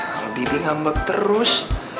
kalau bibi ngambek terus